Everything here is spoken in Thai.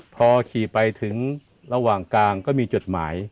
พอขี่ไปถึงระหว่างกลางก็มีจดหมาย